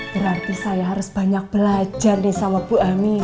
berarti saya harus banyak belajar nih sama bu ami